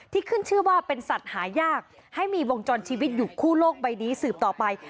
ขึ้นชื่อว่าเป็นสัตว์หายากให้มีวงจรชีวิตอยู่คู่โลกใบนี้สืบต่อไป